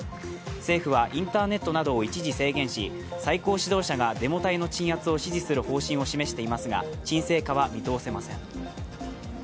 政府は、インターネットなどを一時制限し最高指導者がデモ隊の鎮圧を指示する方針を示していますが、鎮静化は見通せません。